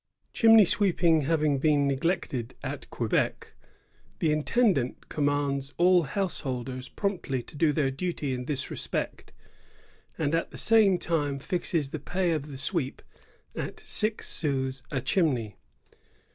^ Chimney sweeping having been neglected at Quebec, the intendant commands all householders promptly to do their duty in this respect, and at the same time fixes the pay of the sweep at six sous a chimney.